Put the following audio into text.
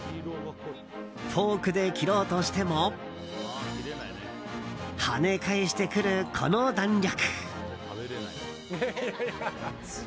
フォークで切ろうとしても跳ね返してくる、この弾力。